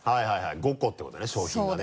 ５個ってことね賞品がね。